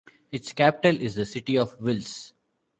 Its capital is the city of Wiltz.